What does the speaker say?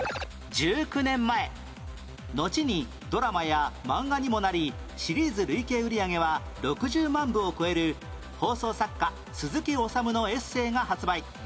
１９年前のちにドラマや漫画にもなりシリーズ累計売上は６０万部を超える放送作家鈴木おさむのエッセイが発売